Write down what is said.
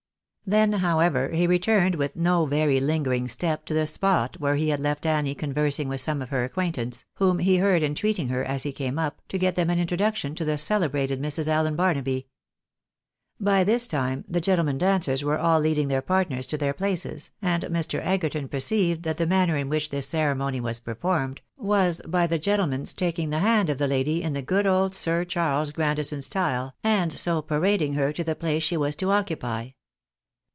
Then, however, he returned with no very lingering step to the spot where he had left Annie conversing with some of her acquaintance, whom he heard entreating her, as he came up, to get them an introduction to the celebrated Mrs. Allen Barnaby. By this time the gentlemen dancers were all leading their partners to their places, and Mr. Egerton perceived that the manner in which this ceremony was performed, was by the gentle man's taking the hand of the lady in the good old Sir Charles Grandison style, and so parading her to the place she was to occupy.